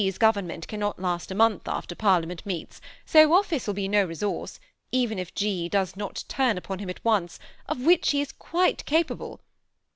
's government cannot last a month after Parliament meets, so office will be no resource, even if G. does not turn upon him at once, of which he is quite capable.